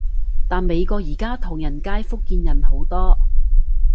但美國而家唐人街，福建人好多